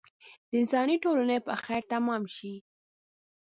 د انساني ټولنې په خیر تمام شي.